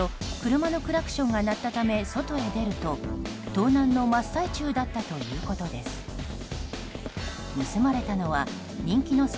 車のクラクションが鳴ったため外へ出ると、盗難の真っ最中だったということです。